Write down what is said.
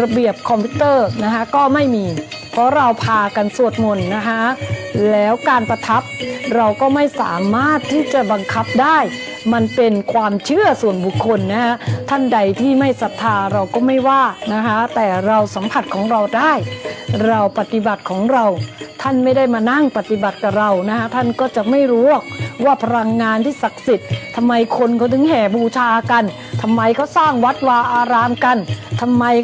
ระเบียบคอมพิวเตอร์นะคะก็ไม่มีเพราะเราพากันสวดมนต์นะคะแล้วการประทับเราก็ไม่สามารถที่จะบังคับได้มันเป็นความเชื่อส่วนบุคคลนะฮะท่านใดที่ไม่ศรัทธาเราก็ไม่ว่านะคะแต่เราสัมผัสของเราได้เราปฏิบัติของเราท่านไม่ได้มานั่งปฏิบัติกับเรานะฮะท่านก็จะไม่รู้หรอกว่าพลังงานที่ศักดิ์สิทธิ์ทำไมคนเขาถึงแห่บูชากันทำไมเขาสร้างวัดวาอารามกันทำไมค